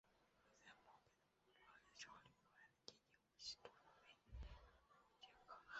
留在漠北的部落立昭礼可汗的弟弟乌希特勒为乌介可汗。